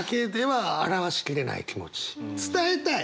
伝えたい。